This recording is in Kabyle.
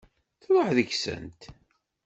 Truḥ deg-sent.